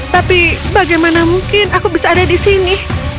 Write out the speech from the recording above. tapi bagaimana mungkin aku bisa ada di sini